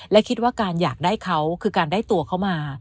และคิดว่าการอยากได้เขาคือการได้ตัวเขามา